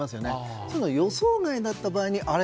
そういう、予想外だった場合にあれ？